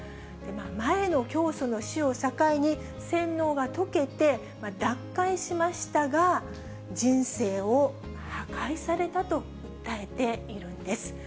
前の教祖の死を境に、洗脳が解けて、脱会しましたが、人生を破壊されたと訴えているんです。